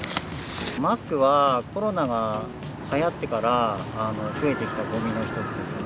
マスクはコロナがはやってから、増えてきたごみの一つですね。